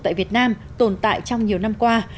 tại việt nam tồn tại trong nhiều năm qua